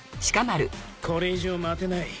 これ以上待てない。